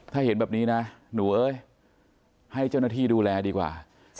ถ้าเห็นแบบนี้นะหนูเอ้ยให้เจ้าหน้าที่ดูแลดีกว่า